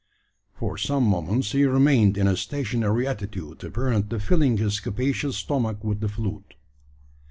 For some moments he remained in a stationary attitude, apparently filling his capacious stomach with the fluid.